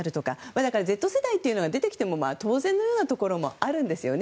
だからＺ世代というのが出てきても当然のようなところもあるんですよね。